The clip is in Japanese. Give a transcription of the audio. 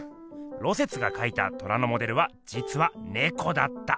芦雪が描いた虎のモデルはじつはねこだった！